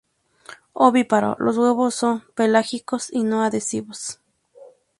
Ovíparo, los huevos son pelágicos y no adhesivos.